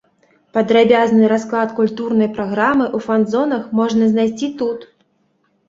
Падрабязны расклад культурнай праграмы ў фан-зонах можна знайсці тут.